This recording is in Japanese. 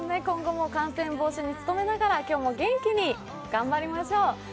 今後も感染防止に努めながら、今日も元気に頑張りましょう。